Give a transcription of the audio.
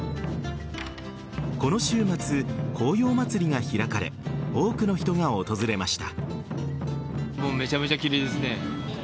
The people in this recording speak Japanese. この週末、紅葉まつりが開かれ多くの人が訪れました。